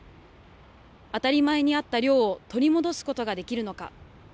当たり前にあった漁を取り戻すことができるのか。